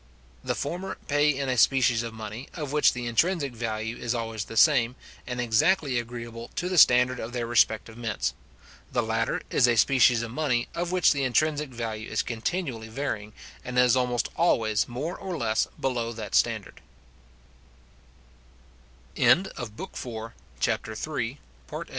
The former pay in a species of money, of which the intrinsic value is always the same, and exactly agreeable to the standard of their respective mints; the latter is a species of money, of which the intrinsic value is continually varying, and is almost always more or less below that